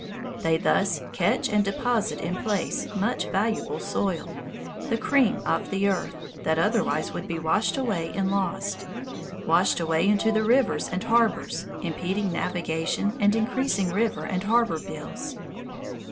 They thus catch and deposit in place much valuable soil, the cream of the earth, that otherwise would be washed away and lost, washed away into the rivers and harbors, impeding navigation and increasing river and harbor bills.